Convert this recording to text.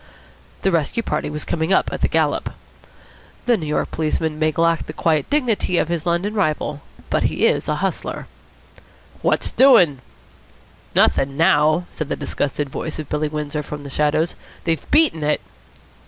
The rescue party was coming up at the gallop. The New York policeman may lack the quiet dignity of his London rival, but he is a hustler. "What's doing?" "Nothing now," said the disgusted voice of Billy Windsor from the shadows. "They've beaten it."